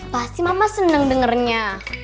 pasti mama seneng dengernya